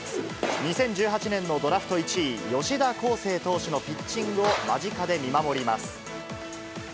２０１８年のドラフト１位、吉田輝星投手のピッチングを間近で見守ります。